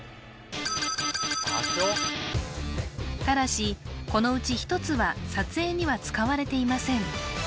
ただしこのうち１つは撮影には使われていません